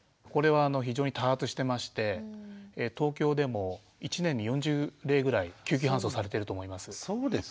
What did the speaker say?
これは非常に多発してまして東京でも一年に４０例ぐらい救急搬送されてると思います。